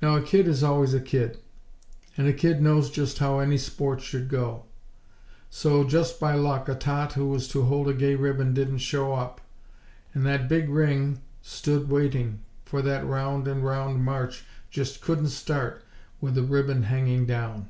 Now a kid is always a kid; and a kid knows just how any sport should go. So, just by luck, a tot who was to hold a gay ribbon didn't show up; and that big ring stood waiting, for that round and round march just couldn't start with a ribbon hanging down!